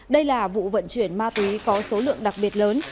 đây là vụ vận chuyển ma túy có số lượng đặc biệt lớn